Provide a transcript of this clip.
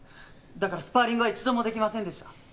だからスパーリングは一度もできませんでした。